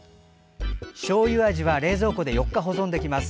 しょうゆ味は冷蔵庫で４日保存できます。